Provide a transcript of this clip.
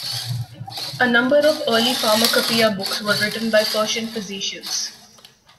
A number of early pharmacopoeia books were written by Persian physicians.